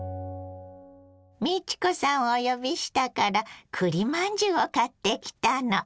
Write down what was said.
美智子さんをお呼びしたからくりまんじゅうを買ってきたの。